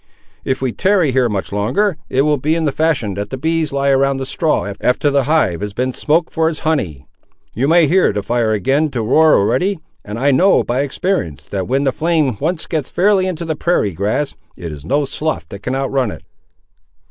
If we tarry here much longer, it will be in the fashion that the bees lie around the straw after the hive has been smoked for its honey. You may hear the fire begin to roar already, and I know by experience, that when the flame once gets fairly into the prairie grass, it is no sloth that can outrun it."